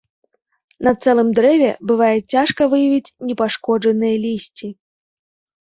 На цэлым дрэве бывае цяжка выявіць непашкоджаныя лісці.